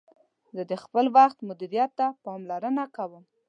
زه د خپل وخت مدیریت ته پاملرنه کوم.